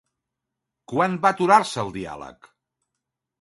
Quan va aturar-se el diàleg?